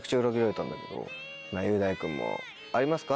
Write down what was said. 雄大君もありますか？